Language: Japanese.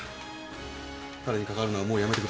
彼にかかわるのはもうやめてください。